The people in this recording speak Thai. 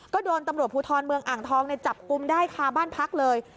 ก็โดนตำรวจภูทรเมืองอ่างทองจับกลุ่มได้คาบ้านพักเลย